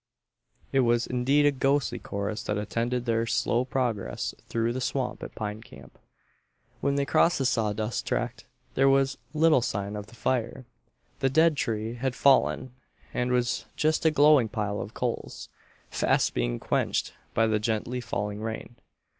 It was indeed a ghostly chorus that attended their slow progress through the swamp at Pine Camp. When they crossed the sawdust tract there was little sign of the fire. The dead tree had fallen and was just a glowing pile of coals, fast being quenched by the gently falling rain.